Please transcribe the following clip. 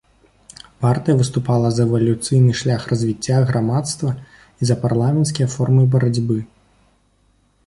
Партыя выступала за эвалюцыйны шлях развіцця грамадства і за парламенцкія формы барацьбы.